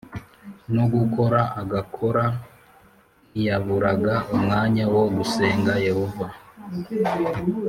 No gukora agakora ntiyaburaga umwanya wo gusenga Yehova